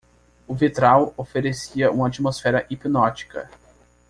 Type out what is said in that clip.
O vitral oferecia uma atmosfera hipnótica.